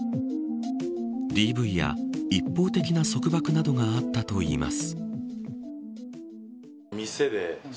ＤＶや一方的な束縛などがあったといいます。